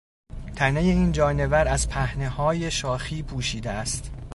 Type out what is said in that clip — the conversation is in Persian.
تنهی این جانور از پهنههای شاخی پوشیده است.